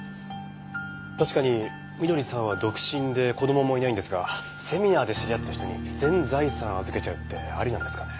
確かに翠さんは独身で子供もいないんですがセミナーで知り合った人に全財産預けちゃうってありなんですかね？